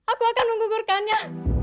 aku akan menggugurkannya